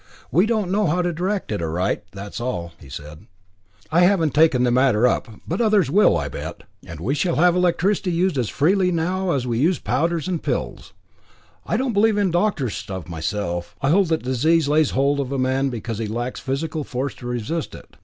"We don't know how to direct it aright, that is all," said he. "I haven't taken the matter up, but others will, I bet; and we shall have electricity used as freely as now we use powders and pills. I don't believe in doctors' stuffs myself. I hold that disease lays hold of a man because he lacks physical force to resist it.